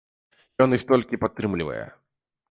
Ён іх толькі падтрымлівае.